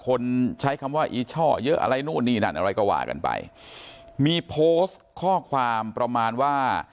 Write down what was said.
คนใช้คำว่าอีช่อเยอะอะไรนู่นนี่นั่นอะไรก็ว่ากันไปมีโพสต์ข้อความประมาณว่า